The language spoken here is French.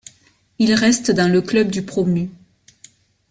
Il reste dans le club du promus.